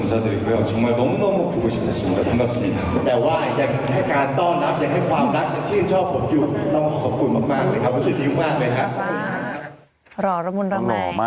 บ้างเลยครับเสียดิ้งมากเลยครับรอร่ะมันรอใหม่อ่ะ